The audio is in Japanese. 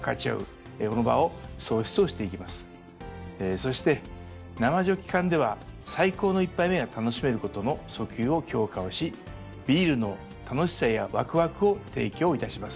そして「生ジョッキ缶」では最高の１杯目が楽しめることの訴求を強化をしビールの楽しさやわくわくを提供いたします。